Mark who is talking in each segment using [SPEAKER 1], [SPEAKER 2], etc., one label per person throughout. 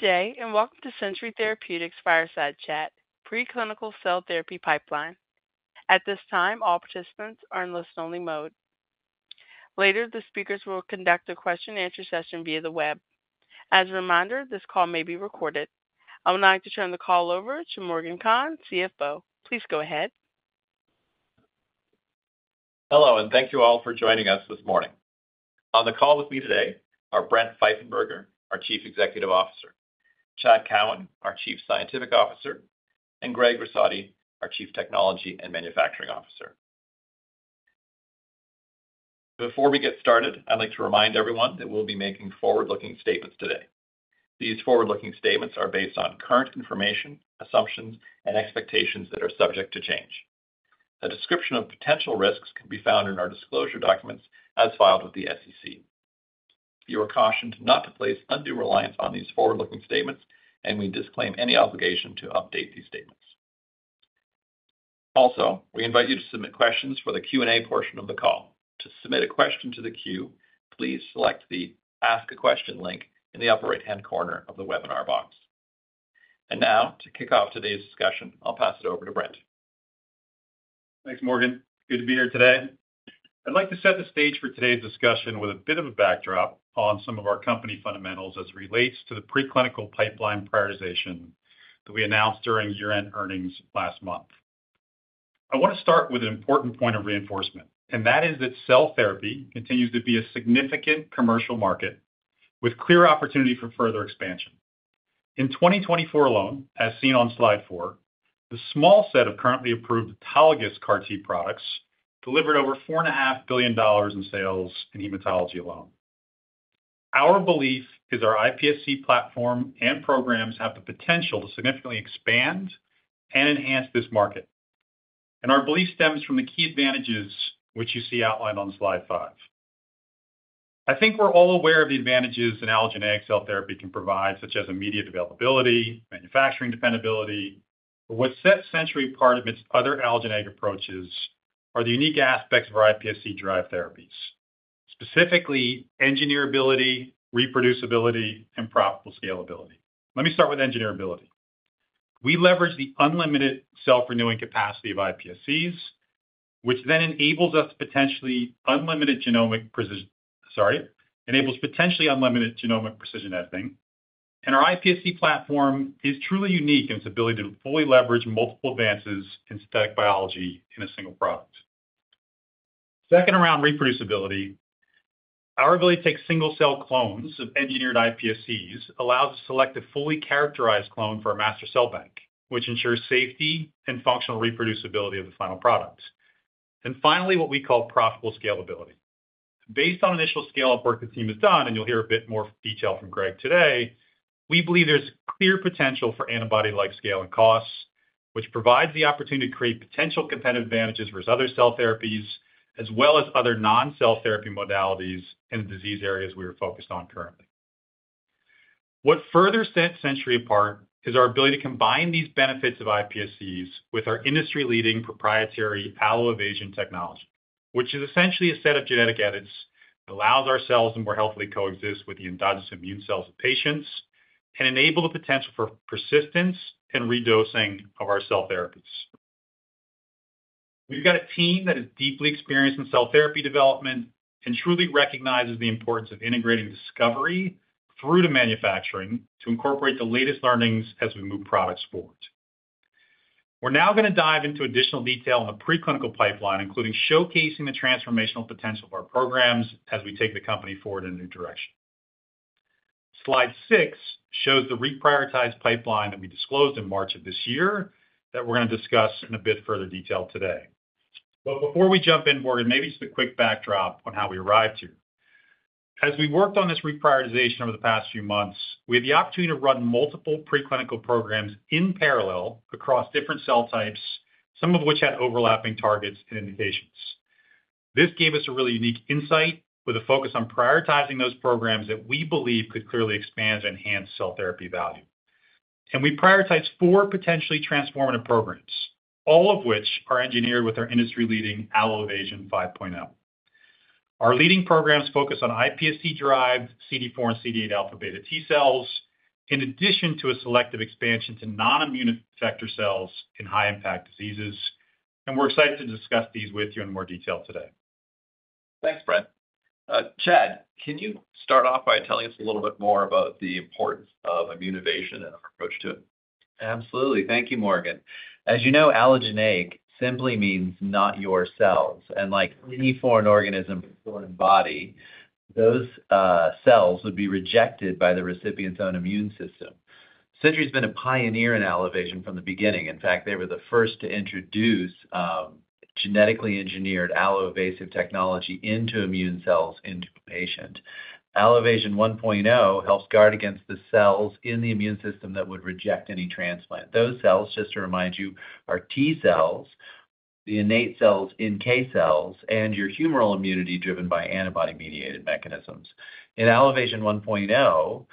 [SPEAKER 1] Good day and welcome to Century Therapeutics Fireside Chat, Preclinical Cell Therapy Pipeline. At this time, all participants are in listen-only mode. Later, the speakers will conduct a question-and-answer session via the web. As a reminder, this call may be recorded. I would like to turn the call over to Morgan Conn, CFO. Please go ahead.
[SPEAKER 2] Hello, and thank you all for joining us this morning. On the call with me today are Brent Pfeiffenberger, our Chief Executive Officer, Chad Cowan, our Chief Scientific Officer, and Greg Russotti, our Chief Technology and Manufacturing Officer. Before we get started, I'd like to remind everyone that we'll be making forward-looking statements today. These forward-looking statements are based on current information, assumptions, and expectations that are subject to change. A description of potential risks can be found in our disclosure documents as filed with the SEC. You are cautioned not to place undue reliance on these forward-looking statements, and we disclaim any obligation to update these statements. Also, we invite you to submit questions for the Q&A portion of the call. To submit a question to the queue, please select the Ask a Question link in the upper right-hand corner of the webinar box. To kick off today's discussion, I'll pass it over to Brent.
[SPEAKER 3] Thanks, Morgan. Good to be here today. I'd like to set the stage for today's discussion with a bit of a backdrop on some of our company fundamentals as it relates to the preclinical pipeline prioritization that we announced during year-end earnings last month. I want to start with an important point of reinforcement, and that is that cell therapy continues to be a significant commercial market with clear opportunity for further expansion. In 2024 alone, as seen on slide four, the small set of currently approved autologous CAR T products delivered over $4.5 billion in sales in hematology alone. Our belief is our iPSC platform and programs have the potential to significantly expand and enhance this market. Our belief stems from the key advantages which you see outlined on slide five. I think we're all aware of the advantages an allogeneic cell therapy can provide, such as immediate availability, manufacturing dependability. What sets Century apart amidst other allogeneic approaches are the unique aspects of our iPSC-derived therapies, specifically engineerability, reproducibility, and profitable scalability. Let me start with engineerability. We leverage the unlimited self-renewing capacity of iPSCs, which then enables potentially unlimited genomic precision editing. Our iPSC platform is truly unique in its ability to fully leverage multiple advances in synthetic biology in a single product. Second, around reproducibility, our ability to take single-cell clones of engineered iPSCs allows us to select a fully characterized clone for a master cell bank, which ensures safety and functional reproducibility of the final product. Finally, what we call profitable scalability. Based on initial scale-up work the team has done, and you'll hear a bit more detail from Greg today, we believe there's clear potential for antibody-like scale and costs, which provides the opportunity to create potential competitive advantages versus other cell therapies, as well as other non-cell therapy modalities in the disease areas we are focused on currently. What further sets Century apart is our ability to combine these benefits of iPSCs with our industry-leading proprietary Allo-Evasion technology, which is essentially a set of genetic edits that allows our cells to more healthily coexist with the endogenous immune cells of patients and enable the potential for persistence and redosing of our cell therapies. We've got a team that is deeply experienced in cell therapy development and truly recognizes the importance of integrating discovery through to manufacturing to incorporate the latest learnings as we move products forward. We're now going to dive into additional detail on the preclinical pipeline, including showcasing the transformational potential of our programs as we take the company forward in a new direction. Slide six shows the reprioritized pipeline that we disclosed in March of this year that we're going to discuss in a bit further detail today. Before we jump in, Morgan, maybe just a quick backdrop on how we arrived here. As we worked on this reprioritization over the past few months, we had the opportunity to run multiple preclinical programs in parallel across different cell types, some of which had overlapping targets and indications. This gave us a really unique insight with a focus on prioritizing those programs that we believe could clearly expand and enhance cell therapy value. We prioritized four potentially transformative programs, all of which are engineered with our industry-leading Allo-Evasion 5.0. Our leading programs focus on iPSC-derived CD4 and CD8 αβ T cells, in addition to a selective expansion to non-immune vector cells in high-impact diseases. We are excited to discuss these with you in more detail today.
[SPEAKER 4] Thanks, Brent. Chad, can you start off by telling us a little bit more about the importance of immune evasion and our approach to it?
[SPEAKER 5] Absolutely. Thank you, Morgan. As you know, allogeneic simply means not your cells. Like any foreign organism or foreign body, those cells would be rejected by the recipient's own immune system. Century has been a pioneer in Allo-Evasion from the beginning. In fact, they were the first to introduce genetically engineered Allo-Evasive technology into immune cells into a patient. Allo-Evasion 1.0 helps guard against the cells in the immune system that would reject any transplant. Those cells, just to remind you, are T cells, the innate cells, NK cells, and your humoral immunity driven by antibody-mediated mechanisms. In Allo-Evasion 1.0,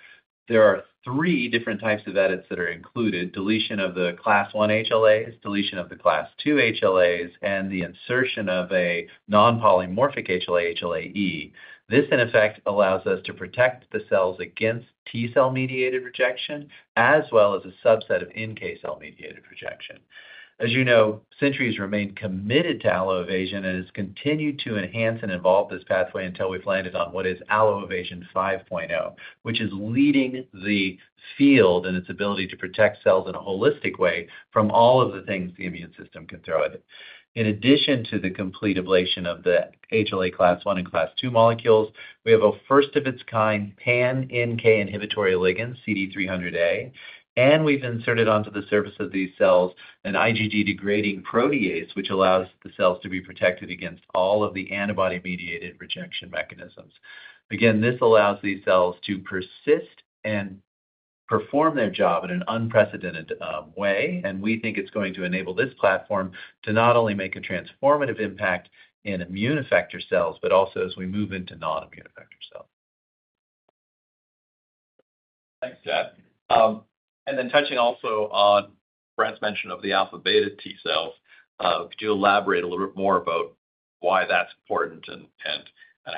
[SPEAKER 5] there are three different types of edits that are included: deletion of the Class I HLA, deletion of the Class II HLA, and the insertion of a non-polymorphic HLA, HLA-E. This, in effect, allows us to protect the cells against T cell-mediated rejection, as well as a subset of NK cell-mediated rejection. As you know, Century has remained committed to Allo-Evasion and has continued to enhance and evolve this pathway until we've landed on what is Allo-Evasion 5.0, which is leading the field in its ability to protect cells in a holistic way from all of the things the immune system can throw at it. In addition to the complete ablation of the HLA Class I and Class II molecules, we have a first-of-its-kind pan-NK inhibitory ligand, CD300a, and we've inserted onto the surface of these cells an IgG degrading protease, which allows the cells to be protected against all of the antibody-mediated rejection mechanisms. Again, this allows these cells to persist and perform their job in an unprecedented way. We think it's going to enable this platform to not only make a transformative impact in immune effector cells, but also as we move into non-immune effector cells.
[SPEAKER 2] Thanks, Chad. Touching also on Brent's mention of the αβ T cells, could you elaborate a little bit more about why that's important and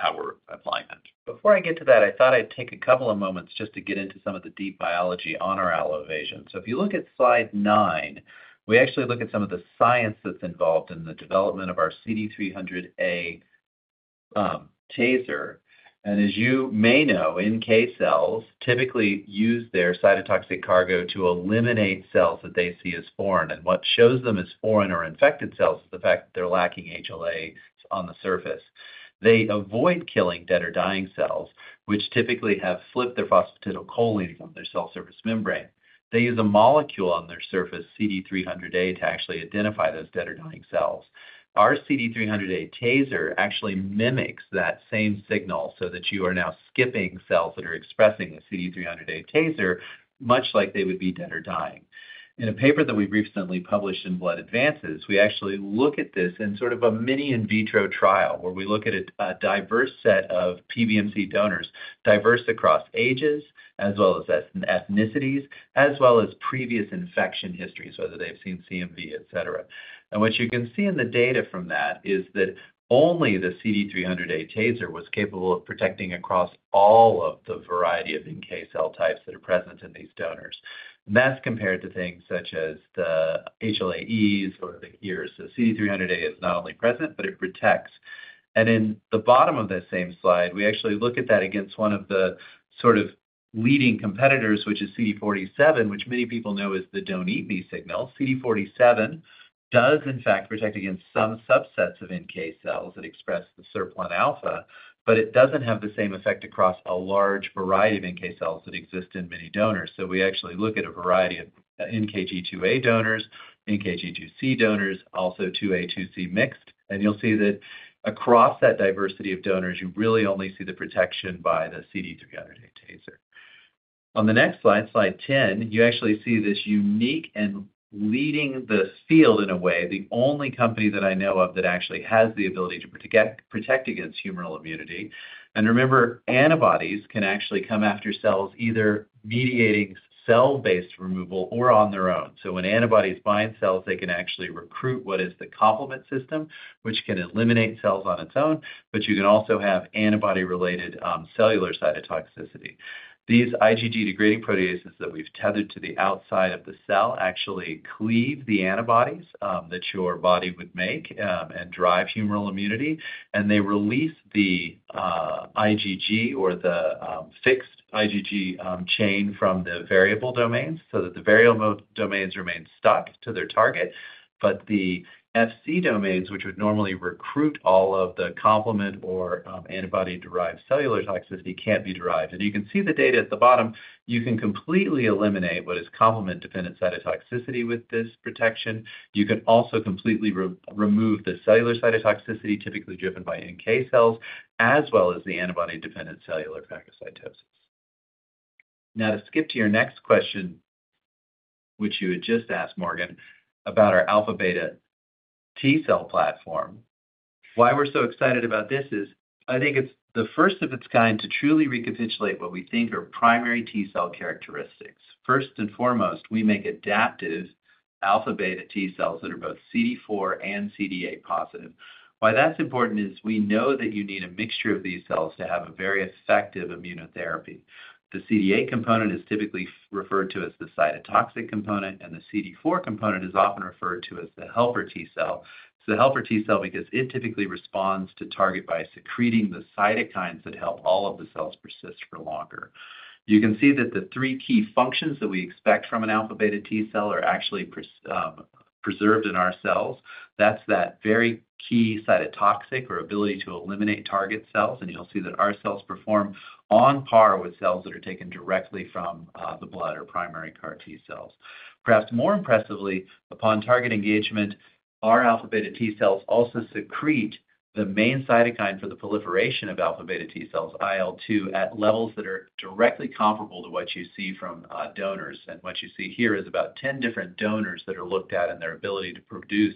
[SPEAKER 2] how we're applying that?
[SPEAKER 5] Before I get to that, I thought I'd take a couple of moments just to get into some of the deep biology on our Allo-Evasion. If you look at slide nine, we actually look at some of the science that's involved in the development of our CD300a TASR. As you may know, NK cells typically use their cytotoxic cargo to eliminate cells that they see as foreign. What shows them as foreign or infected cells is the fact that they're lacking HLA on the surface. They avoid killing dead or dying cells, which typically have flipped their phosphatidylcholine from their cell surface membrane. They use a molecule on their surface, CD300a, to actually identify those dead or dying cells. Our CD300a TASR actually mimics that same signal so that you are now skipping cells that are expressing the CD300a TASR, much like they would be dead or dying. In a paper that we recently published in Blood Advances, we actually look at this in sort of a mini in vitro trial where we look at a diverse set of PBMC donors, diverse across ages, as well as ethnicities, as well as previous infection histories, whether they've seen CMV, et cetera. What you can see in the data from that is that only the CD300a TASR was capable of protecting across all of the variety of NK cell types that are present in these donors. That is compared to things such as the HLA-Es or the ERs. CD300a is not only present, but it protects. In the bottom of that same slide, we actually look at that against one of the sort of leading competitors, which is CD47, which many people know is the don't-eat-me signal. CD47 does, in fact, protect against some subsets of NK cells that express the SIRPα, but it doesn't have the same effect across a large variety of NK cells that exist in many donors. We actually look at a variety of NKG2A donors, NKG2C donors, also 2A, 2C mixed. You'll see that across that diversity of donors, you really only see the protection by the CD300a TASR. On the next slide, slide 10, you actually see this unique and leading the field in a way, the only company that I know of that actually has the ability to protect against humoral immunity. Remember, antibodies can actually come after cells either mediating cell-based removal or on their own. When antibodies bind cells, they can actually recruit what is the complement system, which can eliminate cells on its own, but you can also have antibody-related cellular cytotoxicity. These IgG degrading proteases that we've tethered to the outside of the cell actually cleave the antibodies that your body would make and drive humoral immunity. They release the IgG or the fixed IgG chain from the variable domains so that the variable domains remain stuck to their target. The Fc domains, which would normally recruit all of the complement or antibody-derived cellular toxicity, can't be derived. You can see the data at the bottom. You can completely eliminate what is complement-dependent cytotoxicity with this protection. You can also completely remove the cellular cytotoxicity typically driven by NK cells, as well as the antibody-dependent cellular phagocytosis. Now, to skip to your next question, which you had just asked, Morgan, about our αβ T cell platform, why we're so excited about this is I think it's the first of its kind to truly recapitulate what we think are primary T cell characteristics. First and foremost, we make adaptive αβ T cells that are both CD4 and CD8+. Why that's important is we know that you need a mixture of these cells to have a very effective immunotherapy. The CD8 component is typically referred to as the cytotoxic component, and the CD4 component is often referred to as the helper T cell. It's the helper T cell because it typically responds to target by secreting the cytokines that help all of the cells persist for longer. You can see that the three key functions that we expect from an αβ T cell are actually preserved in our cells. That's that very key cytotoxic or ability to eliminate target cells. You will see that our cells perform on par with cells that are taken directly from the blood or primary CAR T cells. Perhaps more impressively, upon target engagement, our αβ T cells also secrete the main cytokine for the proliferation of αβ T cells, IL-2, at levels that are directly comparable to what you see from donors. What you see here is about 10 different donors that are looked at and their ability to produce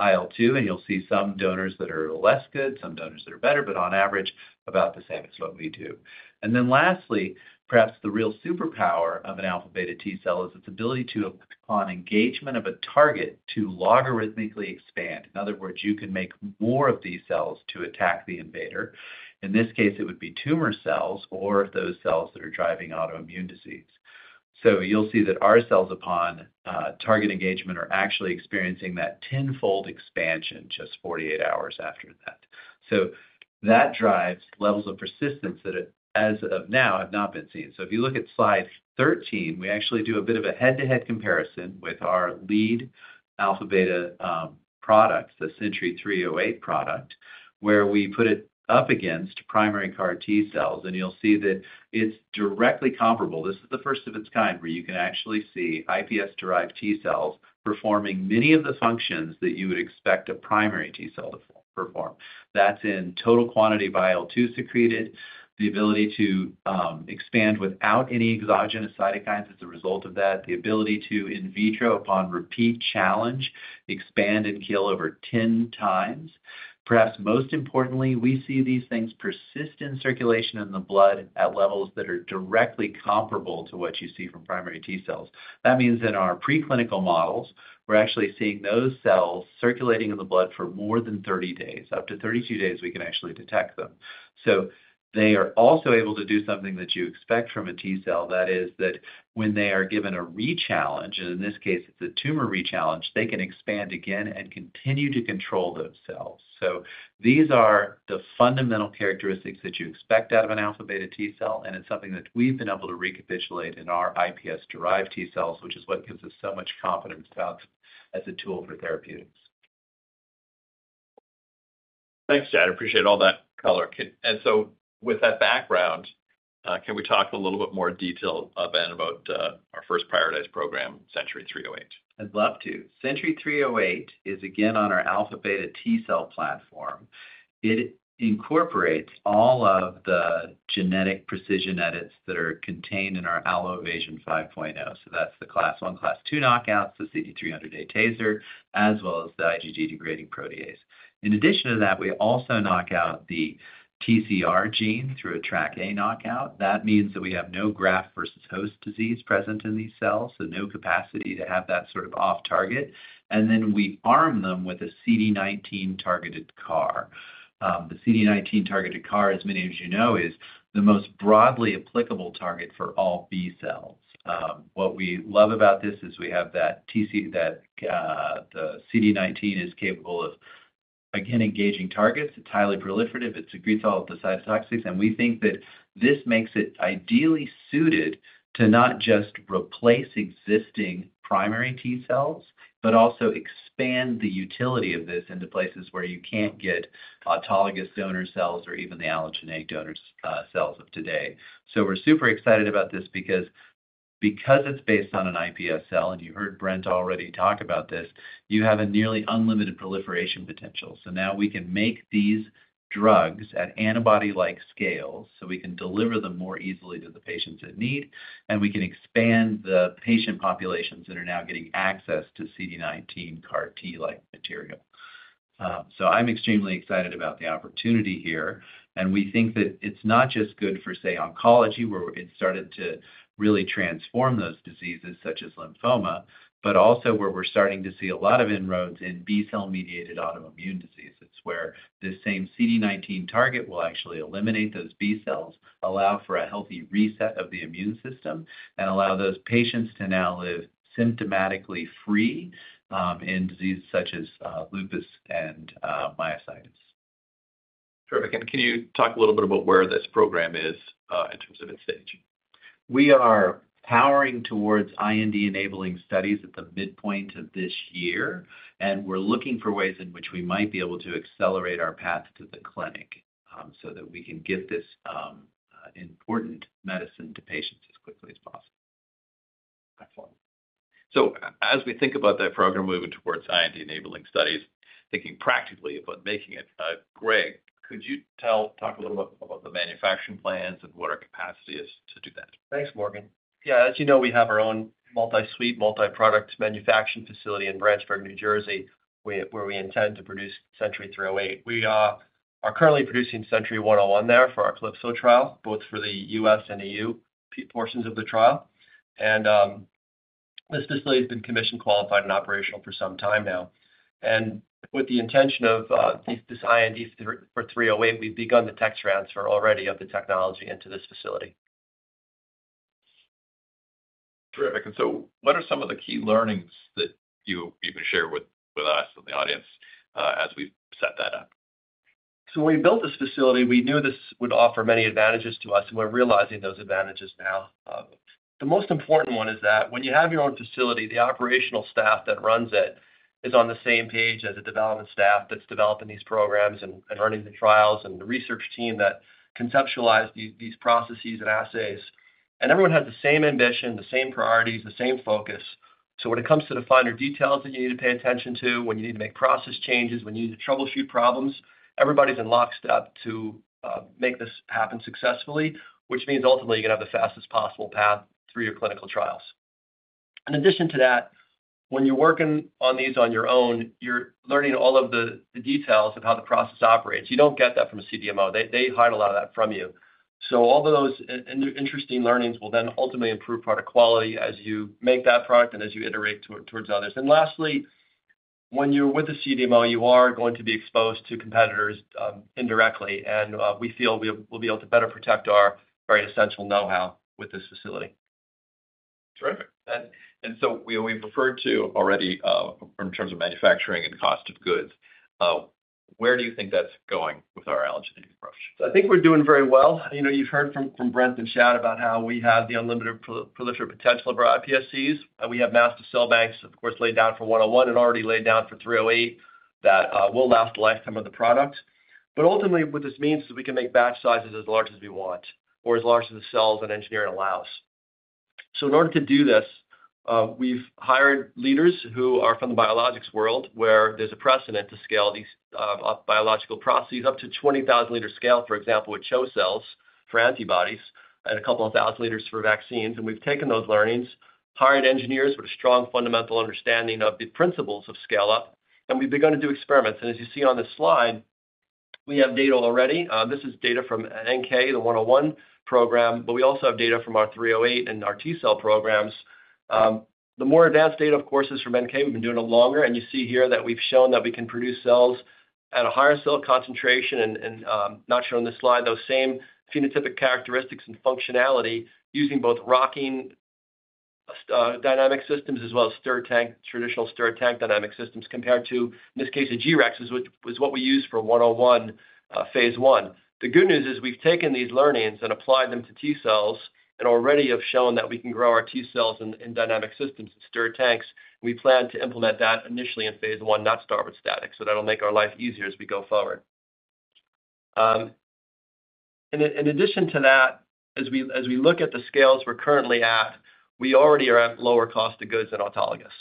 [SPEAKER 5] IL-2. You will see some donors that are less good, some donors that are better, but on average, about the same as what we do. Lastly, perhaps the real superpower of an αβ T cell is its ability to, upon engagement of a target, logarithmically expand. In other words, you can make more of these cells to attack the invader. In this case, it would be tumor cells or those cells that are driving autoimmune disease. You will see that our cells, upon target engagement, are actually experiencing that tenfold expansion just 48 hours after that. That drives levels of persistence that, as of now, have not been seen. If you look at slide 13, we actually do a bit of a head-to-head comparison with our lead αβ product, the CNTY-308 product, where we put it up against primary CAR T cells. You'll see that it's directly comparable. This is the first of its kind where you can actually see iPSC-derived T cells performing many of the functions that you would expect a primary T cell to perform. That's in total quantity of IL-2 secreted, the ability to expand without any exogenous cytokines as a result of that, the ability to in vitro, upon repeat challenge, expand and kill over 10x. Perhaps most importantly, we see these things persist in circulation in the blood at levels that are directly comparable to what you see from primary T cells. That means in our preclinical models, we're actually seeing those cells circulating in the blood for more than 30 days. Up to 32 days, we can actually detect them. They are also able to do something that you expect from a T cell, that is that when they are given a rechallenge, and in this case, it's a tumor rechallenge, they can expand again and continue to control those cells. These are the fundamental characteristics that you expect out of an αβ T cell. It's something that we've been able to recapitulate in our iPSC-derived T cells, which is what gives us so much confidence about them as a tool for therapeutics.
[SPEAKER 2] Thanks, Chad. I appreciate all that color. With that background, can we talk a little bit more detail about our first prioritized program, CNTY-308?
[SPEAKER 5] I'd love to. CNTY-308 is again on our αβ T cell platform. It incorporates all of the genetic precision edits that are contained in our Allo-Evasion 5.0. That is the Class I, Class II knockouts, the CD300a TASR, as well as the IgG degrading protease. In addition to that, we also knock out the TCR gene through a TRAC-A knockout. That means that we have no graft versus host disease present in these cells, so no capacity to have that sort of off-target. We arm them with a CD19 targeted CAR. The CD19 targeted CAR, as many of you know, is the most broadly applicable target for all B cells. What we love about this is we have that the CD19 is capable of, again, engaging targets. It's highly proliferative. It secretes all of the cytotoxics. We think that this makes it ideally suited to not just replace existing primary T cells, but also expand the utility of this into places where you can't get autologous donor cells or even the allogeneic donor cells of today. We are super excited about this because it's based on an iPSC cell. You heard Brent already talk about this. You have a nearly unlimited proliferation potential. Now we can make these drugs at antibody-like scales so we can deliver them more easily to the patients in need, and we can expand the patient populations that are now getting access to CD19 CAR T-like material. I am extremely excited about the opportunity here. We think that it's not just good for, say, oncology, where it's started to really transform those diseases such as lymphoma, but also where we're starting to see a lot of inroads in B cell-mediated autoimmune diseases. It's where this same CD19 target will actually eliminate those B cells, allow for a healthy reset of the immune system, and allow those patients to now live symptomatically free in diseases such as lupus and myositis.
[SPEAKER 2] Terrific. Can you talk a little bit about where this program is in terms of its stage?
[SPEAKER 5] We are powering towards IND-enabling studies at the midpoint of this year. We are looking for ways in which we might be able to accelerate our path to the clinic so that we can get this important medicine to patients as quickly as possible.
[SPEAKER 4] Excellent. As we think about that program moving towards IND-enabling studies, thinking practically about making it, Greg, could you talk a little bit about the manufacturing plans and what our capacity is to do that?
[SPEAKER 6] Thanks, Morgan. Yeah, as you know, we have our own multi-suite, multi-product manufacturing facility in Branchburg, New Jersey, where we intend to produce CNTY-308. We are currently producing CNTY-101 there for our CALiPSO trial, both for the U.S. and EU portions of the trial. This facility has been commissioned, qualified, and operational for some time now. With the intention of this IND for CNTY-308, we've begun the tech transfer already of the technology into this facility.
[SPEAKER 4] Terrific. What are some of the key learnings that you can share with us and the audience as we set that up?
[SPEAKER 6] When we built this facility, we knew this would offer many advantages to us, and we're realizing those advantages now. The most important one is that when you have your own facility, the operational staff that runs it is on the same page as the development staff that's developing these programs and running the trials and the research team that conceptualized these processes and assays. Everyone has the same ambition, the same priorities, the same focus. When it comes to the finer details that you need to pay attention to, when you need to make process changes, when you need to troubleshoot problems, everybody's in lockstep to make this happen successfully, which means ultimately you're going to have the fastest possible path through your clinical trials. In addition to that, when you're working on these on your own, you're learning all of the details of how the process operates. You don't get that from a CDMO. They hide a lot of that from you. All those interesting learnings will then ultimately improve product quality as you make that product and as you iterate towards others. Lastly, when you're with a CDMO, you are going to be exposed to competitors indirectly. We feel we'll be able to better protect our very essential know-how with this facility.
[SPEAKER 2] Terrific. We have referred to already in terms of manufacturing and cost of goods. Where do you think that's going with our allogeneic approach?
[SPEAKER 6] I think we're doing very well. You've heard from Brent and Chad about how we have the unlimited proliferative potential of our iPSCs. We have massive cell banks, of course, laid down for CNTY-101 and already laid down for CNTY-308 that will last the lifetime of the product. Ultimately, what this means is we can make batch sizes as large as we want or as large as the cells and engineering allows. In order to do this, we've hired leaders who are from the biologics world where there's a precedent to scale these biological processes up to 20,000 L scale, for example, with CHO cells for antibodies and a couple of thousand liters for vaccines. We've taken those learnings, hired engineers with a strong fundamental understanding of the principles of scale-up, and we've begun to do experiments. As you see on this slide, we have data already. This is data from NK, the CNTY-101 program, but we also have data from our CNTY-308 and our T cell programs. The more advanced data, of course, is from NK. We've been doing it longer. You see here that we've shown that we can produce cells at a higher cell concentration and not shown on this slide, those same phenotypic characteristics and functionality using both rocking dynamic systems as well as traditional stir tank dynamic systems compared to, in this case, a G-Rex, which is what we use for CNTY-101 phase I. The good news is we've taken these learnings and applied them to T cells and already have shown that we can grow our T cells in dynamic systems and stir tanks. We plan to implement that initially in phase I, not start with static. That'll make our life easier as we go forward. In addition to that, as we look at the scales we're currently at, we already are at lower cost of goods than autologous.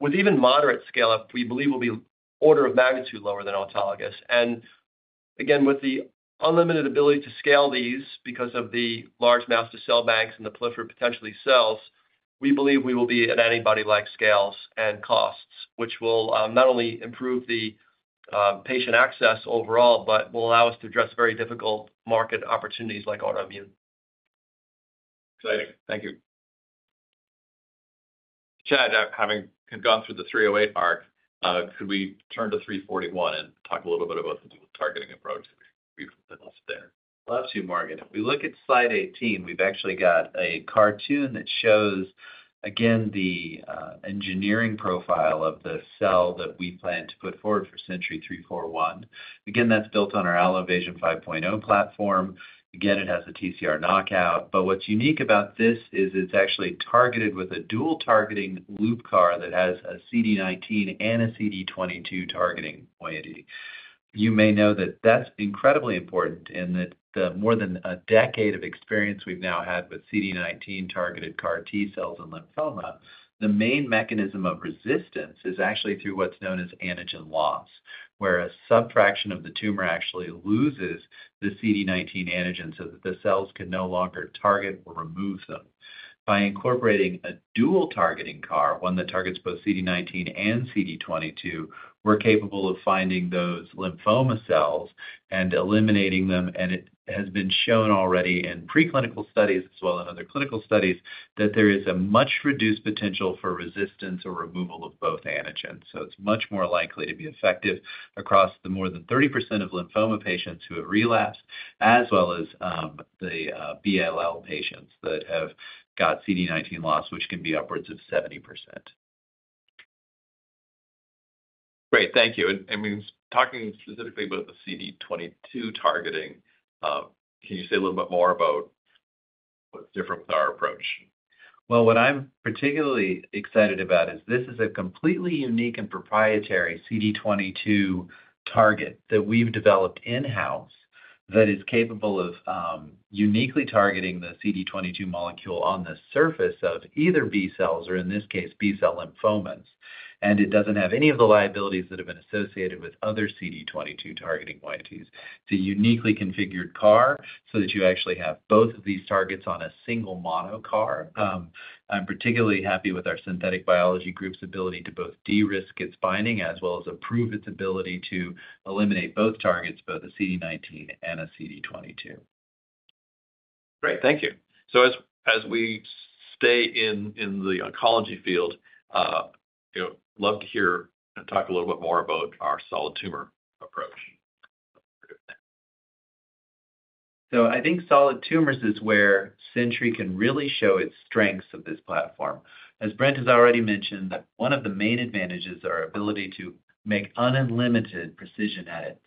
[SPEAKER 6] With even moderate scale-up, we believe we'll be order of magnitude lower than autologous. Again, with the unlimited ability to scale these because of the large massive cell banks and the proliferative potential of these cells, we believe we will be at antibody-like scales and costs, which will not only improve the patient access overall, but will allow us to address very difficult market opportunities like autoimmune.
[SPEAKER 2] Exciting.
[SPEAKER 6] Thank you.
[SPEAKER 4] Chad, having gone through the CNTY-308 arc, could we turn to CNTY-341 and talk a little bit about the targeting approach that we've listed there?
[SPEAKER 5] Absolutely, Morgan. If we look at slide 18, we've actually got a cartoon that shows, again, the engineering profile of the cell that we plan to put forward for CNTY-341. Again, that's built on our Allo-Evasion 5.0 platform. Again, it has a TCR knockout. What's unique about this is it's actually targeted with a dual targeting loop CAR that has a CD19 and a CD22 targeting point. You may know that that's incredibly important in that the more than a decade of experience we've now had with CD19-targeted CAR T cells in lymphoma, the main mechanism of resistance is actually through what's known as antigen loss, where a subfraction of the tumor actually loses the CD19 antigen so that the cells can no longer target or remove them. By incorporating a dual targeting CAR, one that targets both CD19 and CD22, we're capable of finding those lymphoma cells and eliminating them. It has been shown already in preclinical studies as well as in other clinical studies that there is a much reduced potential for resistance or removal of both antigens. It is much more likely to be effective across the more than 30% of lymphoma patients who have relapsed, as well as the BLL patients that have got CD19 loss, which can be upwards of 70%.
[SPEAKER 2] Great. Thank you. Talking specifically about the CD22 targeting, can you say a little bit more about what's different with our approach?
[SPEAKER 5] What I'm particularly excited about is this is a completely unique and proprietary CD22 target that we've developed in-house that is capable of uniquely targeting the CD22 molecule on the surface of either B cells or, in this case, B cell lymphomas. It doesn't have any of the liabilities that have been associated with other CD22 targeting points. It's a uniquely configured CAR so that you actually have both of these targets on a single mono CAR. I'm particularly happy with our synthetic biology group's ability to both de-risk its binding as well as improve its ability to eliminate both targets, both a CD19 and a CD22.
[SPEAKER 2] Great. Thank you. As we stay in the oncology field, I'd love to hear you talk a little bit more about our solid tumor approach.
[SPEAKER 5] I think solid tumors is where Century can really show its strengths of this platform. As Brent has already mentioned, one of the main advantages is our ability to make unlimited precision edits.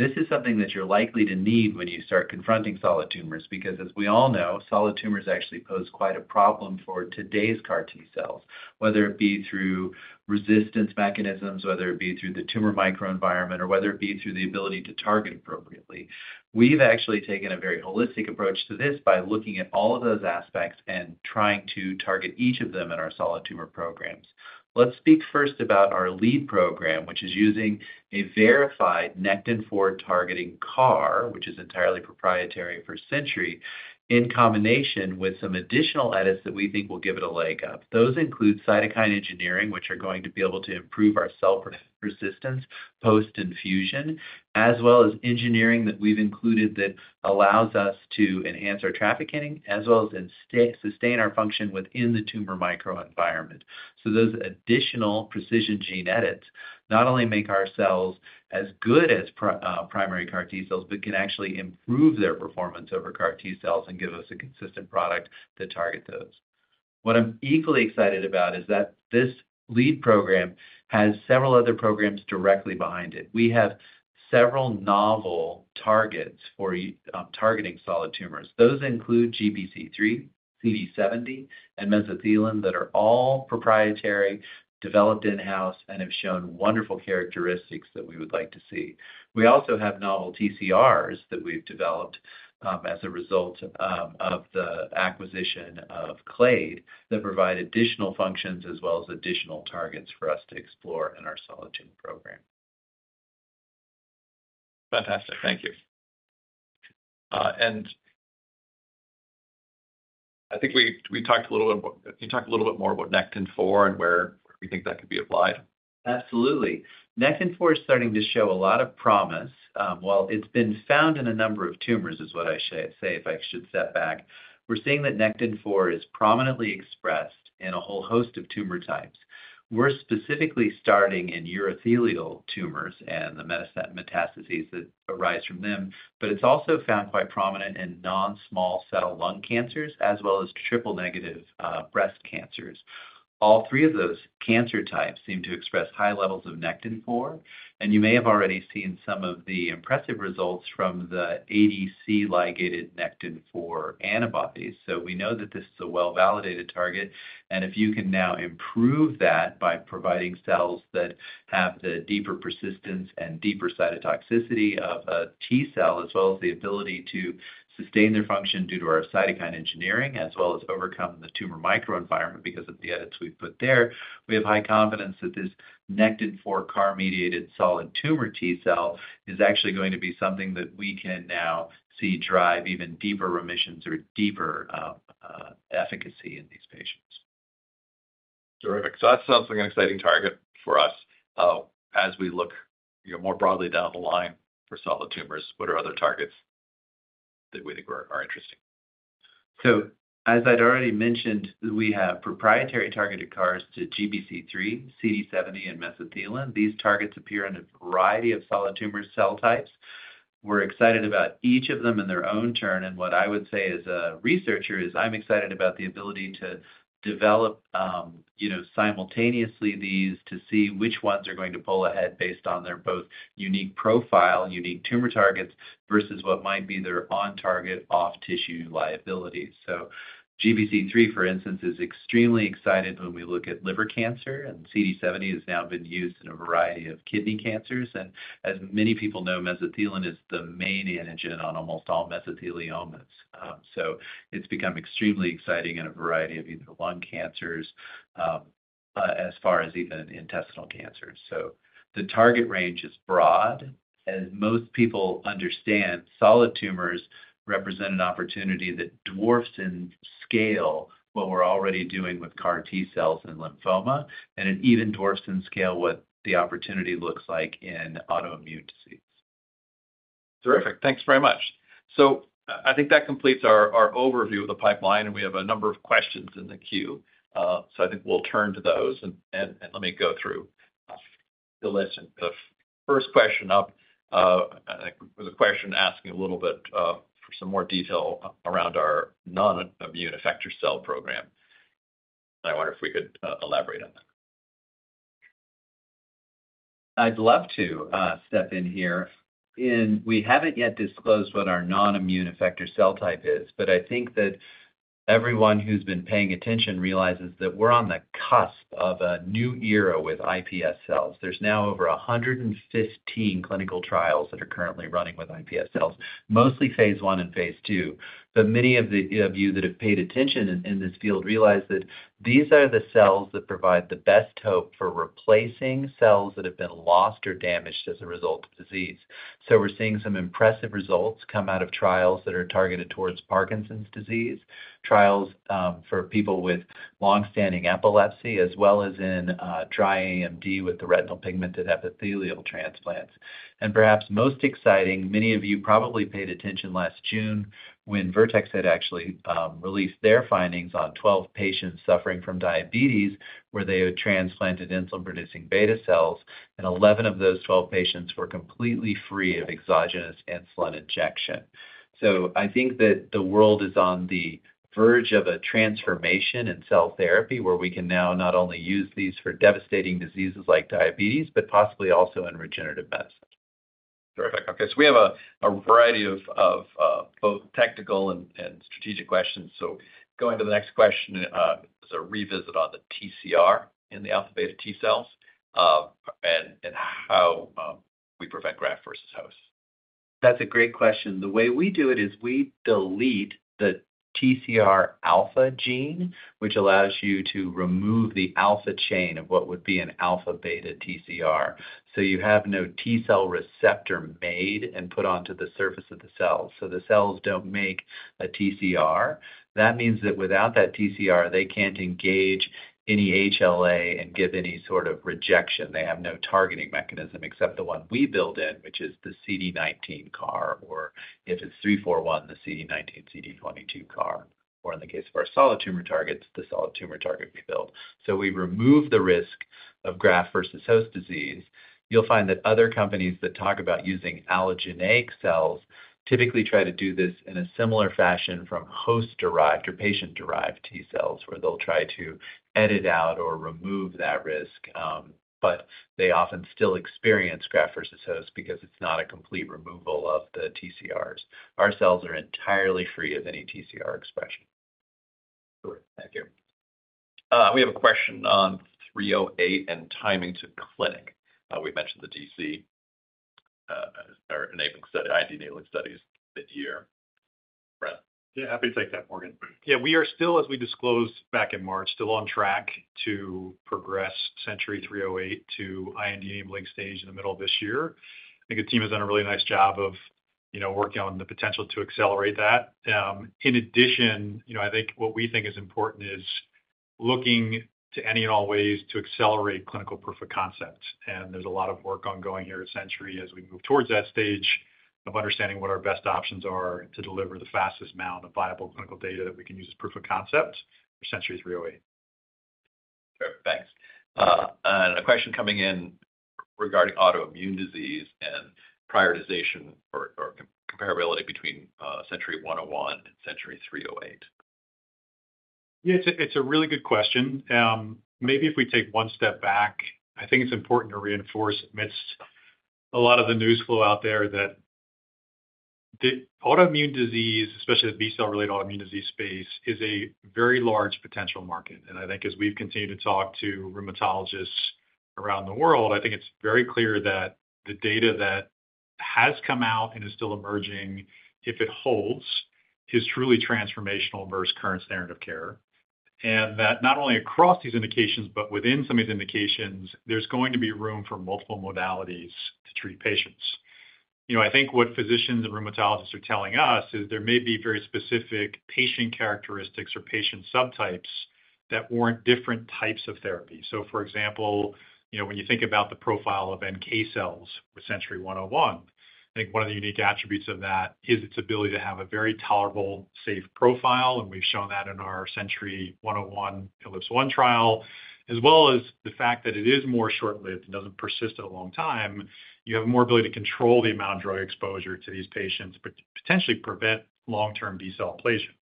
[SPEAKER 5] This is something that you're likely to need when you start confronting solid tumors because, as we all know, solid tumors actually pose quite a problem for today's CAR T cells, whether it be through resistance mechanisms, whether it be through the tumor microenvironment, or whether it be through the ability to target appropriately. We've actually taken a very holistic approach to this by looking at all of those aspects and trying to target each of them in our solid tumor programs. Let's speak first about our lead program, which is using a verified Nectin-4 targeting CAR, which is entirely proprietary for Century, in combination with some additional edits that we think will give it a leg up. Those include cytokine engineering, which are going to be able to improve our cell resistance post-infusion, as well as engineering that we've included that allows us to enhance our trafficking as well as sustain our function within the tumor microenvironment. Those additional precision gene edits not only make our cells as good as primary CAR T cells, but can actually improve their performance over CAR T cells and give us a consistent product that targets those. What I'm equally excited about is that this lead program has several other programs directly behind it. We have several novel targets for targeting solid tumors. Those include GPC3, CD70, and mesothelin that are all proprietary, developed in-house, and have shown wonderful characteristics that we would like to see. We also have novel TCRs that we've developed as a result of the acquisition of Clade that provide additional functions as well as additional targets for us to explore in our solid tumor program.
[SPEAKER 2] Fantastic. Thank you. I think we talked a little bit about, you talked a little bit more about Nectin-4 and where we think that could be applied.
[SPEAKER 5] Absolutely. Nectin-4 is starting to show a lot of promise. It has been found in a number of tumors, is what I should say if I should step back. We're seeing that Nectin-4 is prominently expressed in a whole host of tumor types. We're specifically starting in urothelial tumors and the metastases that arise from them, but it is also found quite prominent in non-small cell lung cancers as well as triple-negative breast cancers. All three of those cancer types seem to express high levels of Nectin-4. You may have already seen some of the impressive results from the ADC-ligated Nectin-4 antibodies. We know that this is a well-validated target. If you can now improve that by providing cells that have the deeper persistence and deeper cytotoxicity of a T cell as well as the ability to sustain their function due to our cytokine engineering as well as overcome the tumor microenvironment because of the edits we've put there, we have high confidence that this Nectin-4 CAR-mediated solid tumor T cell is actually going to be something that we can now see drive even deeper remissions or deeper efficacy in these patients.
[SPEAKER 2] Terrific. That sounds like an exciting target for us. As we look more broadly down the line for solid tumors, what are other targets that we think are interesting?
[SPEAKER 5] As I'd already mentioned, we have proprietary targeted CARs to GPC3, CD70, and mesothelin. These targets appear in a variety of solid tumor cell types. We're excited about each of them in their own turn. What I would say as a researcher is I'm excited about the ability to develop simultaneously these to see which ones are going to pull ahead based on their both unique profile, unique tumor targets versus what might be their on-target, off-tissue liability. GPC3, for instance, is extremely exciting when we look at liver cancer, and CD70 has now been used in a variety of kidney cancers. As many people know, mesothelin is the main antigen on almost all mesotheliomas. It's become extremely exciting in a variety of either lung cancers as far as even intestinal cancers. The target range is broad. As most people understand, solid tumors represent an opportunity that dwarfs in scale what we're already doing with CAR T cells and lymphoma, and it even dwarfs in scale what the opportunity looks like in autoimmune disease.
[SPEAKER 2] Terrific. Thanks very much. I think that completes our overview of the pipeline, and we have a number of questions in the queue. I think we'll turn to those. Let me go through the list. The first question up, I think, was a question asking a little bit for some more detail around our non-immune effector cell program. I wonder if we could elaborate on that.
[SPEAKER 5] I'd love to step in here. We haven't yet disclosed what our non-immune effector cell type is, but I think that everyone who's been paying attention realizes that we're on the cusp of a new era with iPSC cells. There are now over 115 clinical trials that are currently running with iPSC cells, mostly phase one and phase two. Many of you that have paid attention in this field realize that these are the cells that provide the best hope for replacing cells that have been lost or damaged as a result of disease. We are seeing some impressive results come out of trials that are targeted towards Parkinson's disease, trials for people with longstanding epilepsy, as well as in dry AMD with the retinal pigmented epithelial transplants. Perhaps most exciting, many of you probably paid attention last June when Vertex had actually released their findings on 12 patients suffering from diabetes where they had transplanted insulin-producing beta cells, and 11 of those 12 patients were completely free of exogenous insulin injection. I think that the world is on the verge of a transformation in cell therapy where we can now not only use these for devastating diseases like diabetes, but possibly also in regenerative medicine.
[SPEAKER 2] Terrific. Okay. We have a variety of both technical and strategic questions. Going to the next question is a revisit on the TCR in the αβ T cells and how we prevent graft versus host.
[SPEAKER 5] That's a great question. The way we do it is we delete the TCR α gene, which allows you to remove the alpha chain of what would be an αβ TCR. You have no T cell receptor made and put onto the surface of the cell. The cells don't make a TCR. That means that without that TCR, they can't engage any HLA and give any sort of rejection. They have no targeting mechanism except the one we build in, which is the CD19 CAR, or if it's CNTY-341, the CD19, CD22 CAR, or in the case of our solid tumor targets, the solid tumor target we build. We remove the risk of graft versus host disease. You'll find that other companies that talk about using allogeneic cells typically try to do this in a similar fashion from host-derived or patient-derived T cells where they'll try to edit out or remove that risk, but they often still experience graft versus host because it's not a complete removal of the TCRs. Our cells are entirely free of any TCR expression.
[SPEAKER 2] Thank you. We have a question on CNTY-308 and timing to clinic. We've mentioned the DC or IND enabling studies mid-year. Brent.
[SPEAKER 3] Yeah. Happy to take that, Morgan. Yeah. We are still, as we disclosed back in March, still on track to progress CNTY-308 to IND enabling stage in the middle of this year. I think the team has done a really nice job of working on the potential to accelerate that. In addition, I think what we think is important is looking to any and all ways to accelerate clinical proof of concept. There is a lot of work ongoing here at Century as we move towards that stage of understanding what our best options are to deliver the fastest amount of viable clinical data that we can use as proof of concept for CNTY-308.
[SPEAKER 2] Terrific. Thanks. A question coming in regarding autoimmune disease and prioritization or comparability between CNTY-101 and CNTY-308.
[SPEAKER 3] Yeah. It's a really good question. Maybe if we take one step back, I think it's important to reinforce amidst a lot of the news flow out there that autoimmune disease, especially the B cell-related autoimmune disease space, is a very large potential market. I think as we've continued to talk to rheumatologists around the world, I think it's very clear that the data that has come out and is still emerging, if it holds, is truly transformational versus current standard of care. That not only across these indications, but within some of these indications, there's going to be room for multiple modalities to treat patients. I think what physicians and rheumatologists are telling us is there may be very specific patient characteristics or patient subtypes that warrant different types of therapy. For example, when you think about the profile of NK cells with CNTY-101, I think one of the unique attributes of that is its ability to have a very tolerable, safe profile. And we've shown that in our CNTY-101, ELiPSE-1 trial, as well as the fact that it is more short-lived and doesn't persist a long time. You have more ability to control the amount of drug exposure to these patients, but potentially prevent long-term B cell ablation.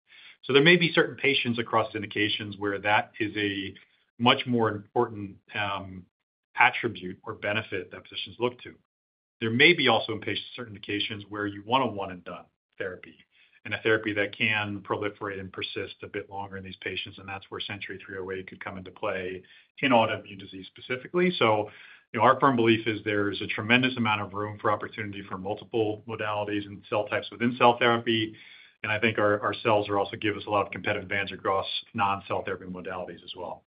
[SPEAKER 3] There may be certain patients across indications where that is a much more important attribute or benefit that physicians look to. There may be also in patients certain indications where you want a one-and-done therapy and a therapy that can proliferate and persist a bit longer in these patients. That's where CNTY-308 could come into play in autoimmune disease specifically. Our firm belief is there's a tremendous amount of room for opportunity for multiple modalities and cell types within cell therapy. I think our cells also give us a lot of competitive advantage across non-cell therapy modalities as well.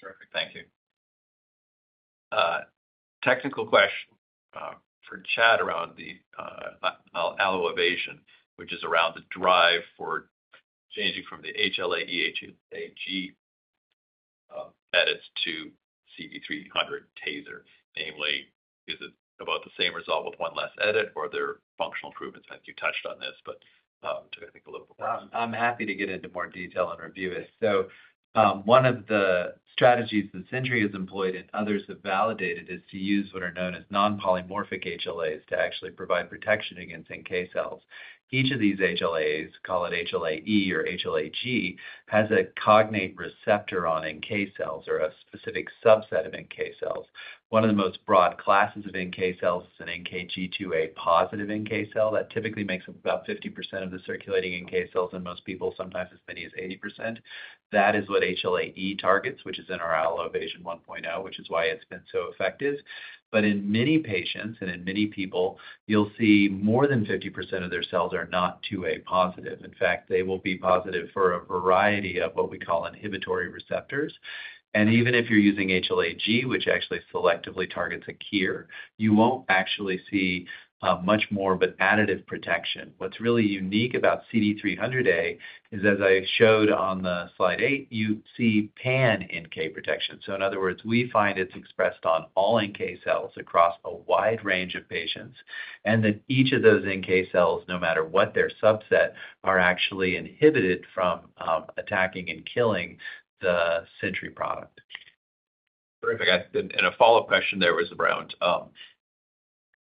[SPEAKER 2] Terrific. Thank you. Technical question for Chad around the Allo-Evasion, which is around the drive for changing from the HLA-E, HLA-G edits to CD300a TASR. Namely, is it about the same result with one less edit, or are there functional improvements? I think you touched on this, but I think a little bit more.
[SPEAKER 5] I'm happy to get into more detail and review it. One of the strategies that Century has employed and others have validated is to use what are known as non-polymorphic HLAs to actually provide protection against NK cells. Each of these HLAs, call it HLA-E or HLA-G, has a cognate receptor on NK cells or a specific subset of NK cells. One of the most broad classes of NK cells is an NKG2A+ NK cell that typically makes up about 50% of the circulating NK cells in most people, sometimes as many as 80%. That is what HLA-E targets, which is in our Allo-Evasion 1.0, which is why it's been so effective. In many patients and in many people, you'll see more than 50% of their cells are not 2A+. In fact, they will be positive for a variety of what we call inhibitory receptors. Even if you're using HLA-G, which actually selectively targets a KIR, you won't actually see much more but additive protection. What's really unique about CD300a is, as I showed on slide 8, you see pan-NK protection. In other words, we find it's expressed on all NK cells across a wide range of patients, and that each of those NK cells, no matter what their subset, are actually inhibited from attacking and killing the Century product.
[SPEAKER 2] Terrific. A follow-up question there was around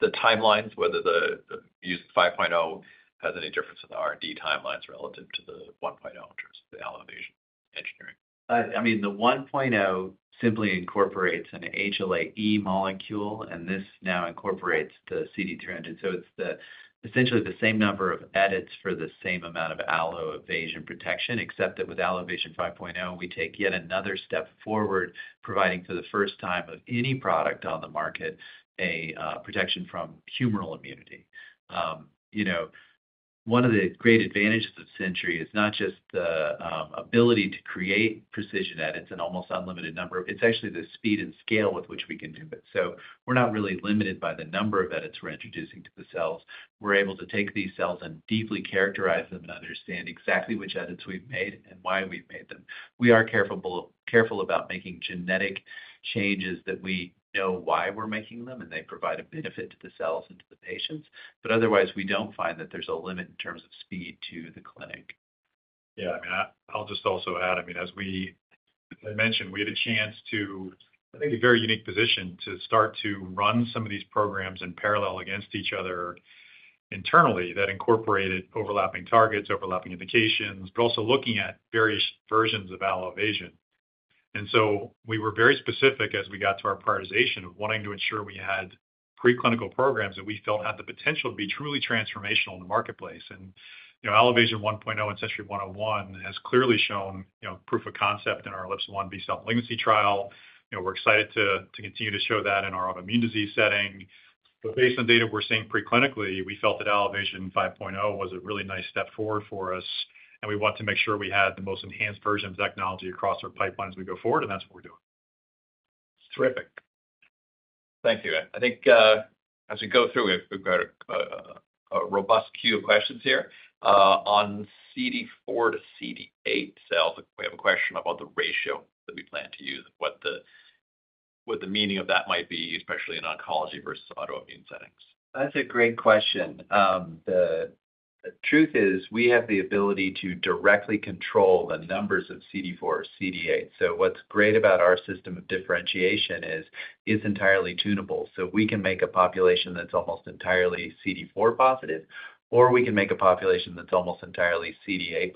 [SPEAKER 2] the timelines, whether the use of 5.0 has any difference in the R&D timelines relative to the 1.0 in terms of the Allo-Evasion engineering.
[SPEAKER 5] I mean, the 1.0 simply incorporates an HLA-E molecule, and this now incorporates the CD300. So it's essentially the same number of edits for the same amount of Allo-Evasion protection, except that with Allo-Evasion 5.0, we take yet another step forward, providing for the first time of any product on the market a protection from humoral immunity. One of the great advantages of Century is not just the ability to create precision edits and almost unlimited number; it's actually the speed and scale with which we can do it. So we're not really limited by the number of edits we're introducing to the cells. We're able to take these cells and deeply characterize them and understand exactly which edits we've made and why we've made them. We are careful about making genetic changes that we know why we're making them, and they provide a benefit to the cells and to the patients. Otherwise, we don't find that there's a limit in terms of speed to the clinic.
[SPEAKER 3] Yeah. I mean, I'll just also add, I mean, as I mentioned, we had a chance to, I think, a very unique position to start to run some of these programs in parallel against each other internally that incorporated overlapping targets, overlapping indications, but also looking at various versions of Allo-Evasion. I mean, we were very specific as we got to our prioritization of wanting to ensure we had preclinical programs that we felt had the potential to be truly transformational in the marketplace. Allo-Evasion 1.0 and CNTY-101 has clearly shown proof of concept in our ELiPSE-1 B cell malignancy trial. We're excited to continue to show that in our autoimmune disease setting. Based on data we're seeing preclinically, we felt that Allo-Evasion 5.0 was a really nice step forward for us, and we want to make sure we had the most enhanced version of technology across our pipeline as we go forward, and that's what we're doing.
[SPEAKER 2] Terrific. Thank you. I think as we go through, we've got a robust queue of questions here. On CD4 to CD8 cells, we have a question about the ratio that we plan to use and what the meaning of that might be, especially in oncology versus autoimmune settings.
[SPEAKER 5] That's a great question. The truth is we have the ability to directly control the numbers of CD4 or CD8. What's great about our system of differentiation is it's entirely tunable. We can make a population that's almost entirely CD4+, or we can make a population that's almost entirely CD8+.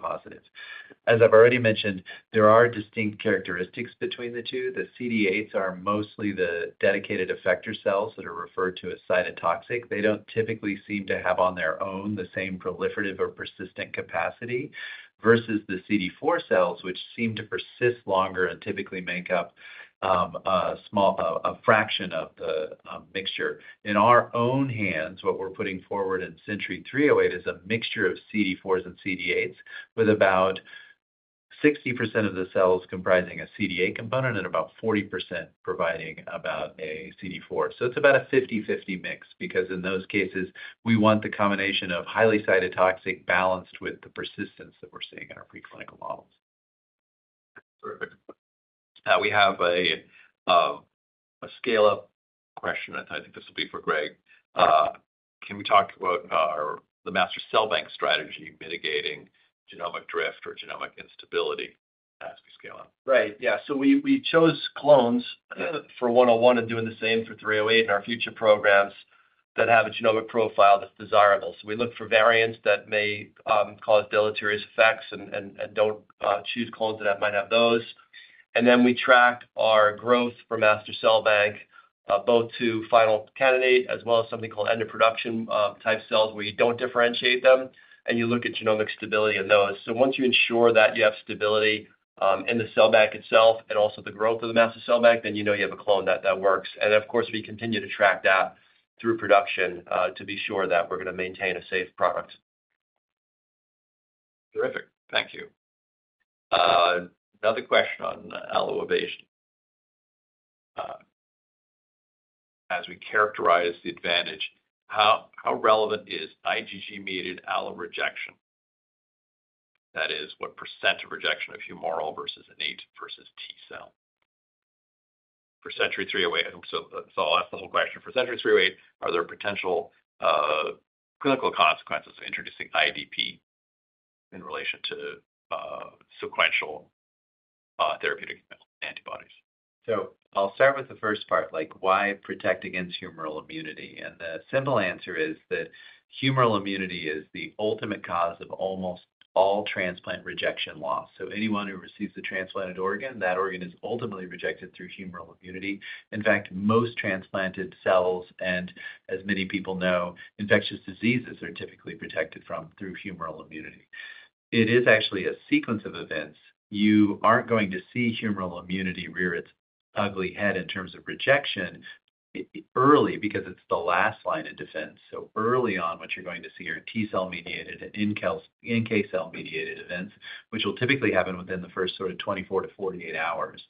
[SPEAKER 5] As I've already mentioned, there are distinct characteristics between the two. The CD8s are mostly the dedicated effector cells that are referred to as cytotoxic. They don't typically seem to have on their own the same proliferative or persistent capacity versus the CD4 cells, which seem to persist longer and typically make up a fraction of the mixture. In our own hands, what we're putting forward in CNTY-308 is a mixture of CD4s and CD8s with about 60% of the cells comprising a CD8 component and about 40% providing about a CD4. It is about a 50/50 mix because in those cases, we want the combination of highly cytotoxic balanced with the persistence that we are seeing in our preclinical models.
[SPEAKER 2] Terrific. We have a scale-up question. I think this will be for Greg. Can we talk about the master cell bank strategy mitigating genomic drift or genomic instability as we scale up?
[SPEAKER 5] Right. Yeah. We chose clones for CNTY-101 and are doing the same for CNTY-308 in our future programs that have a genomic profile that's desirable. We look for variants that may cause deleterious effects and do not choose clones that might have those. We track our growth for master cell bank both to final candidate as well as something called end-of-production type cells where you do not differentiate them, and you look at genomic stability in those. Once you ensure that you have stability in the cell bank itself and also the growth of the master cell bank, you know you have a clone that works. Of course, we continue to track that through production to be sure that we are going to maintain a safe product.
[SPEAKER 2] Terrific. Thank you. Another question on Allo-Evasion. As we characterize the advantage, how relevant is IgG-mediated allo rejection? That is, what % of rejection of humoral versus innate versus T cell? For CNTY-308, so that's the whole question. For CNTY-308, are there potential clinical consequences of introducing IDP in relation to sequential therapeutic antibodies?
[SPEAKER 5] I'll start with the first part, like why protect against humoral immunity? The simple answer is that humoral immunity is the ultimate cause of almost all transplant rejection loss. Anyone who receives a transplanted organ, that organ is ultimately rejected through humoral immunity. In fact, most transplanted cells and, as many people know, infectious diseases are typically protected through humoral immunity. It is actually a sequence of events. You aren't going to see humoral immunity rear its ugly head in terms of rejection early because it's the last line of defense. Early on, what you're going to see are T cell-mediated and NK cell-mediated events, which will typically happen within the first sort of 24-48 hours.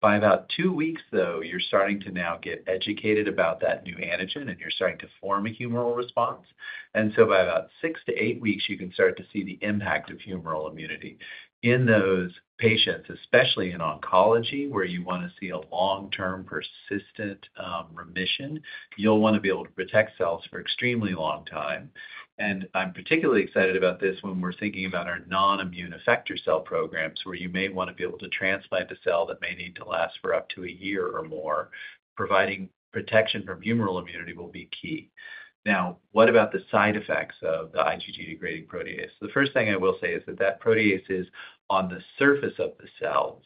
[SPEAKER 5] By about two weeks, though, you're starting to now get educated about that new antigen, and you're starting to form a humoral response. By about six to eight weeks, you can start to see the impact of humoral immunity. In those patients, especially in oncology, where you want to see a long-term persistent remission, you'll want to be able to protect cells for an extremely long time. I'm particularly excited about this when we're thinking about our non-immune effector cell programs where you may want to be able to transplant a cell that may need to last for up to a year or more. Providing protection from humoral immunity will be key. Now, what about the side effects of the IgG degrading protease? The first thing I will say is that that protease is on the surface of the cells.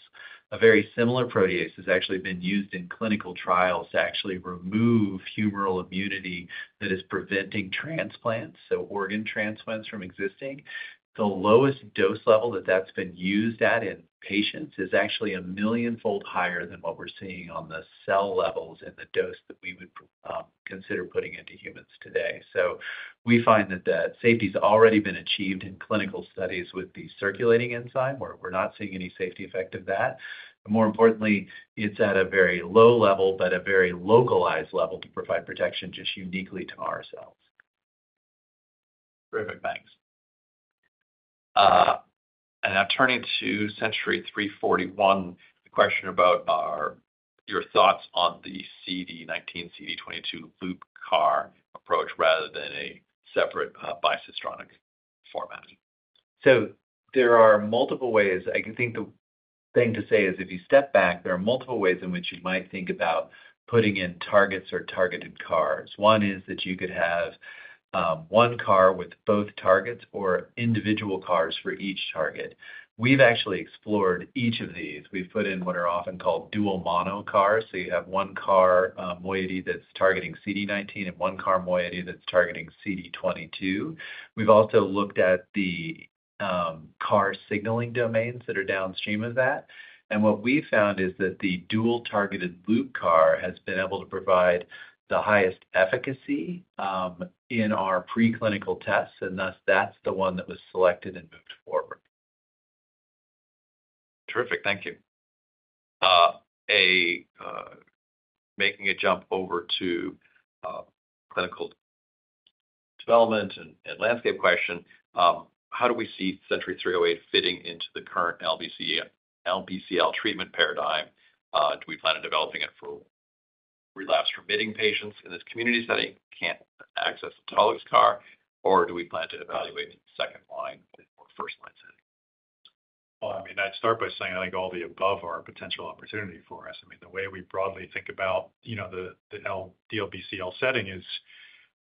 [SPEAKER 5] A very similar protease has actually been used in clinical trials to actually remove humoral immunity that is preventing transplants, so organ transplants from existing. The lowest dose level that's been used at in patients is actually a million-fold higher than what we're seeing on the cell levels in the dose that we would consider putting into humans today. We find that safety has already been achieved in clinical studies with the circulating enzyme. We're not seeing any safety effect of that. More importantly, it's at a very low level, but a very localized level to provide protection just uniquely to our cells.
[SPEAKER 2] Terrific. Thanks. Now turning to CNTY-341, the question about your thoughts on the CD19, CD22 loop CAR approach rather than a separate bicistronic format.
[SPEAKER 5] There are multiple ways. I think the thing to say is if you step back, there are multiple ways in which you might think about putting in targets or targeted CARs. One is that you could have one CAR with both targets or individual CARs for each target. We've actually explored each of these. We've put in what are often called dual mono CARs. You have one CAR moiety that's targeting CD19 and one CAR moiety that's targeting CD22. We've also looked at the CAR signaling domains that are downstream of that. What we found is that the dual-targeted loop CAR has been able to provide the highest efficacy in our preclinical tests, and thus that's the one that was selected and moved forward.
[SPEAKER 2] Terrific. Thank you. Making a jump over to clinical development and landscape question, how do we see CNTY-308 fitting into the current LBCL treatment paradigm? Do we plan on developing it for relapse-remitting patients in this community setting who can't access the autologous CAR, or do we plan to evaluate second line or first-line setting?
[SPEAKER 3] I mean, I'd start by saying I think all the above are a potential opportunity for us. I mean, the way we broadly think about the DLBCL setting is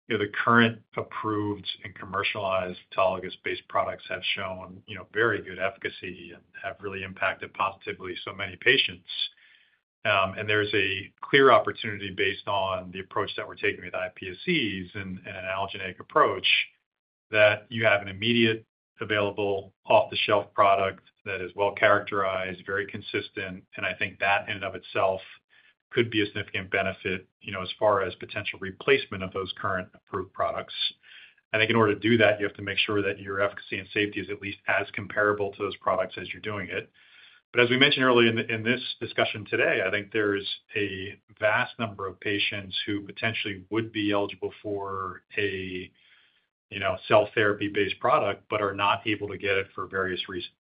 [SPEAKER 3] the current approved and commercialized autologous-based products have shown very good efficacy and have really impacted positively so many patients. There is a clear opportunity based on the approach that we're taking with iPSCs and an allogeneic approach that you have an immediate available off-the-shelf product that is well-characterized, very consistent, and I think that in and of itself could be a significant benefit as far as potential replacement of those current approved products. I think in order to do that, you have to make sure that your efficacy and safety is at least as comparable to those products as you're doing it. As we mentioned earlier in this discussion today, I think there's a vast number of patients who potentially would be eligible for a cell therapy-based product but are not able to get it for various reasons.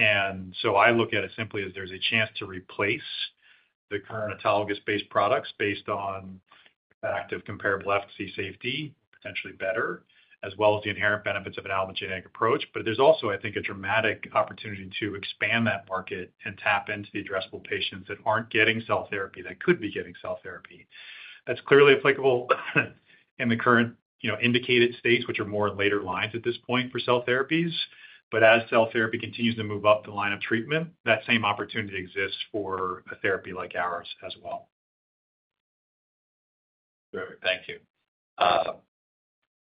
[SPEAKER 3] I look at it simply as there's a chance to replace the current autologous-based products based on active comparable efficacy safety, potentially better, as well as the inherent benefits of an allogeneic approach. There's also, I think, a dramatic opportunity to expand that market and tap into the addressable patients that aren't getting cell therapy that could be getting cell therapy. That's clearly applicable in the current indicated states, which are more later lines at this point for cell therapies, but as cell therapy continues to move up the line of treatment, that same opportunity exists for a therapy like ours as well.
[SPEAKER 2] Terrific. Thank you.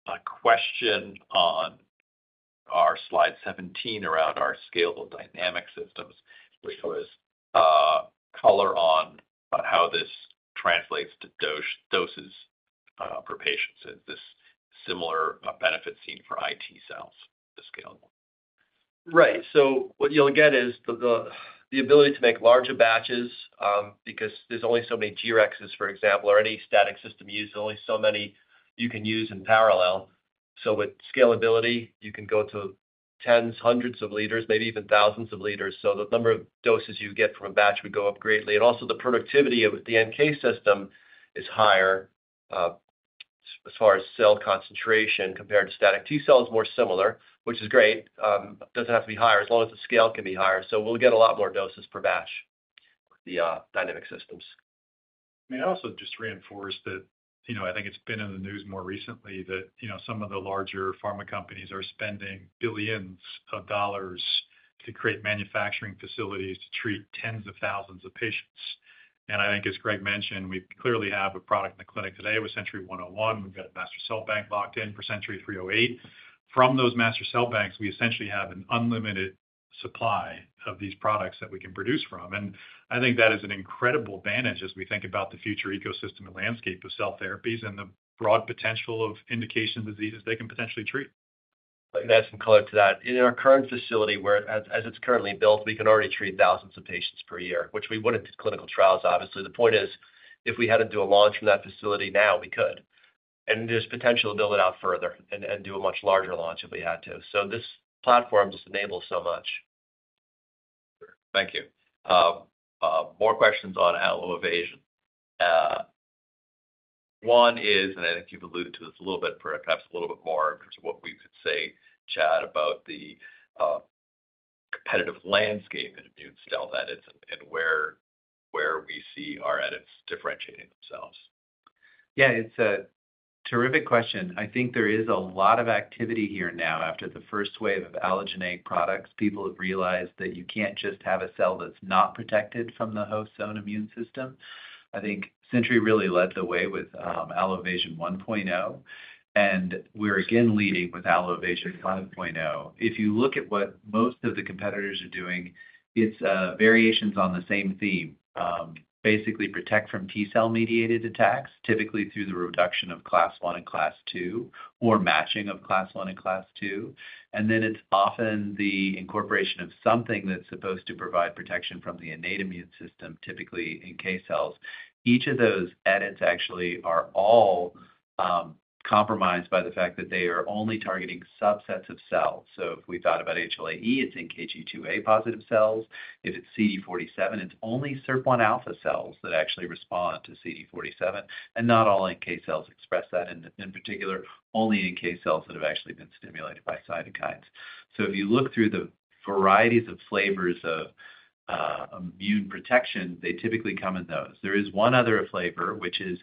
[SPEAKER 2] A question on our slide 17 around our scalable dynamic systems, which was color on how this translates to doses per patient. Is this similar benefit seen for iT cells too, scalable?
[SPEAKER 5] Right. What you'll get is the ability to make larger batches because there's only so many G-Rexs, for example, or any static system used, only so many you can use in parallel. With scalability, you can go to tens, hundreds of liters, maybe even thousands of liters. The number of doses you get from a batch would go up greatly. Also, the productivity of the NK system is higher as far as cell concentration compared to static T cells, more similar, which is great. It doesn't have to be higher as long as the scale can be higher. We'll get a lot more doses per batch with the dynamic systems.
[SPEAKER 3] I mean, I also just reinforce that I think it's been in the news more recently that some of the larger pharma companies are spending billions of dollars to create manufacturing facilities to treat tens of thousands of patients. I think, as Greg mentioned, we clearly have a product in the clinic today with CNTY-101. We've got a master cell bank locked in for CNTY-308. From those master cell banks, we essentially have an unlimited supply of these products that we can produce from. I think that is an incredible advantage as we think about the future ecosystem and landscape of cell therapies and the broad potential of indication diseases they can potentially treat.
[SPEAKER 5] That's in color to that. In our current facility, as it's currently built, we can already treat thousands of patients per year, which we wouldn't do clinical trials, obviously. The point is, if we had to do a launch from that facility now, we could. There is potential to build it out further and do a much larger launch if we had to. This platform just enables so much.
[SPEAKER 2] Thank you. More questions on Allo-Evasion. One is, and I think you've alluded to this a little bit, perhaps a little bit more in terms of what we could say, Chad, about the competitive landscape in immune cell edits and where we see our edits differentiating themselves.
[SPEAKER 5] Yeah, it's a terrific question. I think there is a lot of activity here now after the first wave of allogeneic products. People have realized that you can't just have a cell that's not protected from the host's own immune system. I think Century really led the way with Allo-Evasion 1.0, and we're again leading with Allo-Evasion 5.0. If you look at what most of the competitors are doing, it's variations on the same theme. Basically, protect from T cell-mediated attacks, typically through the reduction of Class I and Class II or matching of Class I and Class II. It's often the incorporation of something that's supposed to provide protection from the innate immune system, typically NK cells. Each of those edits actually are all compromised by the fact that they are only targeting subsets of cells. If we thought about HLA-E, it's in KG2A+ cells. If it's CD47, it's only SIRPα cells that actually respond to CD47, and not all NK cells express that in particular, only NK cells that have actually been stimulated by cytokines. If you look through the varieties of flavors of immune protection, they typically come in those. There is one other flavor, which is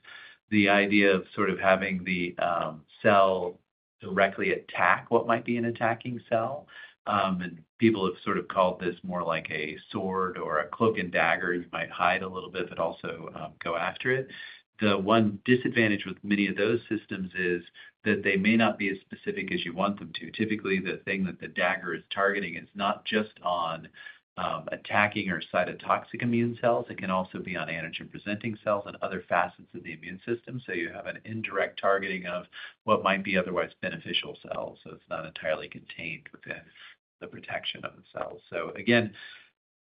[SPEAKER 5] the idea of sort of having the cell directly attack what might be an attacking cell. People have sort of called this more like a sword or a cloak and dagger. You might hide a little bit but also go after it. The one disadvantage with many of those systems is that they may not be as specific as you want them to. Typically, the thing that the dagger is targeting is not just on attacking or cytotoxic immune cells. It can also be on antigen-presenting cells and other facets of the immune system. You have an indirect targeting of what might be otherwise beneficial cells. It is not entirely contained within the protection of the cells.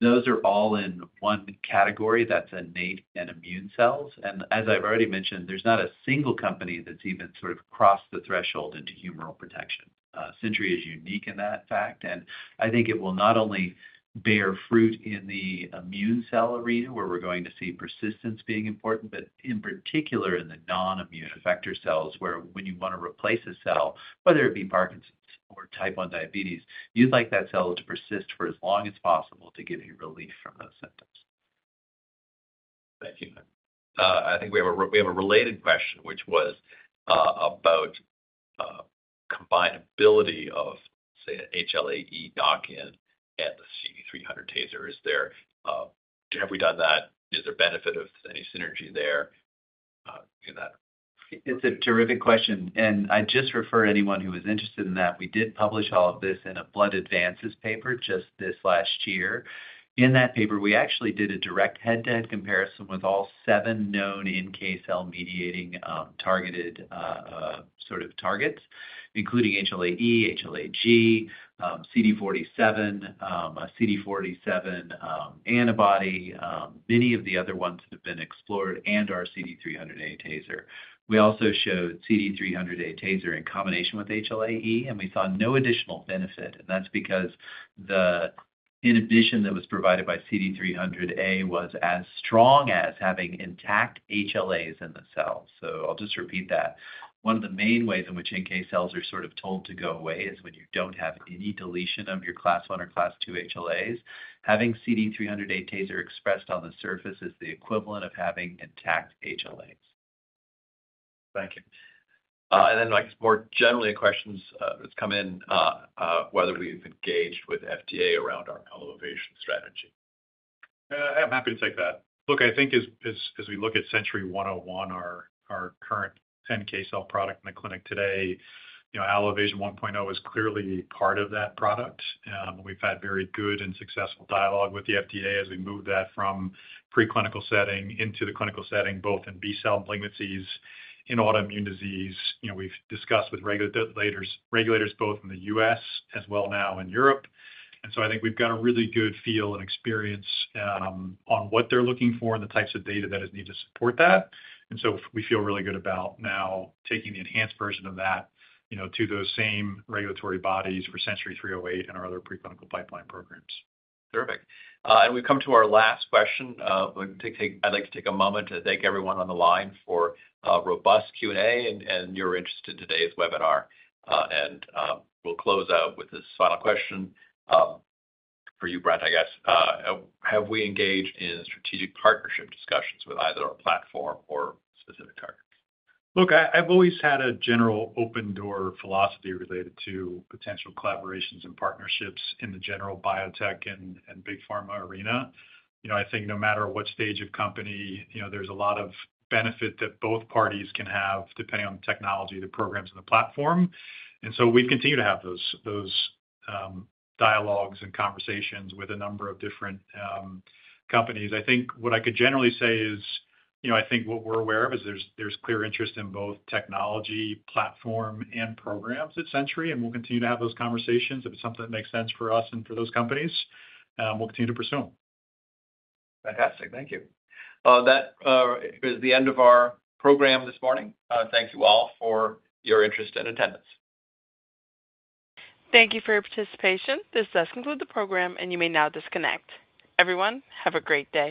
[SPEAKER 5] Those are all in one category. That is innate and immune cells. As I have already mentioned, there is not a single company that has even sort of crossed the threshold into humoral protection. Century is unique in that fact. I think it will not only bear fruit in the immune cell arena where we are going to see persistence being important, but in particular in the non-immune effector cells where when you want to replace a cell, whether it be Parkinson's or type 1 diabetes, you would like that cell to persist for as long as possible to give you relief from those symptoms.
[SPEAKER 2] Thank you. I think we have a related question, which was about the combinability of, say, an HLA-E dock-in and the CD300a TASR. Have we done that? Is there benefit of any synergy there?
[SPEAKER 5] It's a terrific question. I just refer anyone who is interested in that. We did publish all of this in a Blood Advances paper just this last year. In that paper, we actually did a direct head-to-head comparison with all seven known NK cell-mediating targeted sort of targets, including HLA-E, HLA-G, CD47, CD47 antibody, many of the other ones that have been explored, and our CD300a TASR. We also showed CD300a TASR in combination with HLA-E, and we saw no additional benefit. That is because the inhibition that was provided by CD300a was as strong as having intact HLAs in the cell. I'll just repeat that. One of the main ways in which NK cells are sort of told to go away is when you don't have any deletion of your Class I or Class II HLAs. Having CD300a TASR expressed on the surface is the equivalent of having intact HLAs.
[SPEAKER 2] Thank you. More generally, questions have come in whether we've engaged with FDA around our Allo-Evasion strategy.
[SPEAKER 3] I'm happy to take that. Look, I think as we look at CNTY-101, our current NK cell product in the clinic today, Allo-Evasion 1.0 is clearly part of that product. We've had very good and successful dialogue with the FDA as we moved that from preclinical setting into the clinical setting, both in B cell malignancies, in autoimmune disease. We've discussed with regulators both in the U.S. as well now in Europe. I think we've got a really good feel and experience on what they're looking for and the types of data that is needed to support that. We feel really good about now taking the enhanced version of that to those same regulatory bodies for CNTY-308 and our other preclinical pipeline programs.
[SPEAKER 2] Terrific. We have come to our last question. I would like to take a moment to thank everyone on the line for robust Q&A and your interest in today's webinar. We will close out with this final question for you, Brent, I guess. Have we engaged in strategic partnership discussions with either our platform or specific targets?
[SPEAKER 3] Look, I've always had a general open-door philosophy related to potential collaborations and partnerships in the general biotech and big pharma arena. I think no matter what stage of company, there's a lot of benefit that both parties can have depending on the technology, the programs, and the platform. We've continued to have those dialogues and conversations with a number of different companies. I think what I could generally say is I think what we're aware of is there's clear interest in both technology, platform, and programs at Century, and we'll continue to have those conversations. If it's something that makes sense for us and for those companies, we'll continue to pursue.
[SPEAKER 2] Fantastic. Thank you. That is the end of our program this morning. Thank you all for your interest and attendance.
[SPEAKER 1] Thank you for your participation. This does conclude the program, and you may now disconnect. Everyone, have a great day.